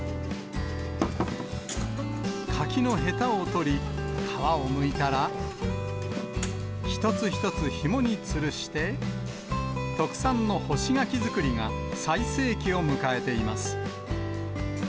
柿のへたを取り、皮をむいたら、一つ一つひもにつるして、特産の干し柿作りが最盛期を迎えています。